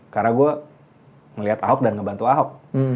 karena gue ngelihat ahok dan ngebantu ahok